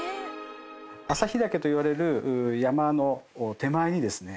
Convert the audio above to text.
朝日岳といわれる山の手前にですね